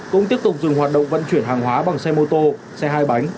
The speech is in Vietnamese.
cũng tiếp tục dừng hoạt động vận chuyển hàng hóa bằng xe mô tô xe hai bánh